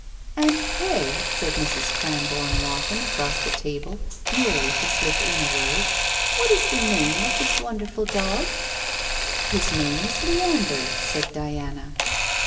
'And pray,' said Mrs. Cramborne Wathin across the table, merely to slip in a word, 'what is the name of this wonderful dog?' 'His name is Leander,' said Diana.